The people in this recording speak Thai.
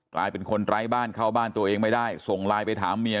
กลายเป็นคนไร้บ้านเข้าบ้านตัวเองไม่ได้ส่งไลน์ไปถามเมีย